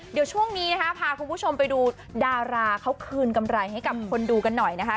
เดี๋ยวช่วงนี้นะคะพาคุณผู้ชมไปดูดาราเขาคืนกำไรให้กับคนดูกันหน่อยนะคะ